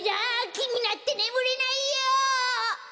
きになってねむれないよ！